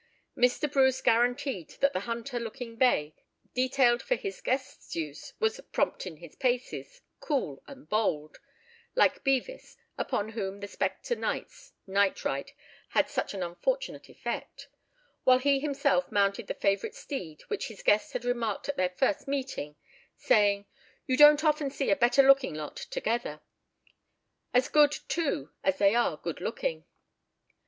Mr. Bruce guaranteed that the hunter looking bay detailed for his guest's use was "prompt in his paces, cool and bold" like Bevis, upon whom the spectre knight's night ride had such an unfortunate effect, while he himself mounted the favourite steed which his guest had remarked at their first meeting, saying: "You don't often see a better looking lot together; as good, too, as they are good looking."